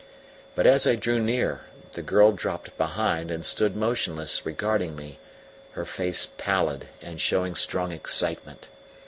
But as I drew near, the girl dropped behind and stood motionless regarding me, her face pallid and showing strong excitement.